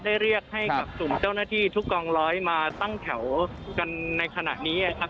เรียกให้กับกลุ่มเจ้าหน้าที่ทุกกองร้อยมาตั้งแถวกันในขณะนี้นะครับ